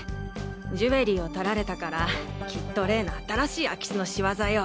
ジュエリーを盗られたからきっと例の新しい空き巣の仕業よ。